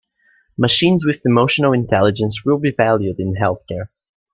Machines with emotional intelligence will be valued in healthcare.